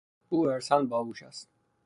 او ارثا باهوش است.